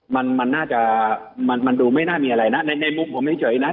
มันดูไม่น่ามีอะไรนะในมุมผมไม่เจ๋วยนะ